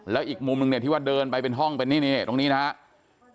แล้วอีกมุมนึงเนี่ยที่ว่าเดินไปเป็นห้องเป็นนี่ตรงนี้นะครับ